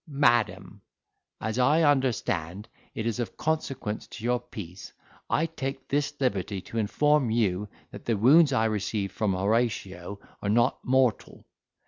"Madam, "As I understand it is of consequence to your peace, I take this liberty to inform you, that the wounds I received from Horatio are not mortal.